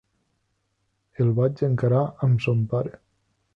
El vaig encarar amb el seu pare.